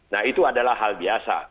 nah itu adalah hal biasa